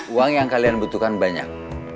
uang yang kalian butuhkan banyak